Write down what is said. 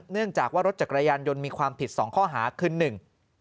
เนื่องจากว่ารถจักรยานยนต์มีความผิดสองข้อหาคือหนึ่ง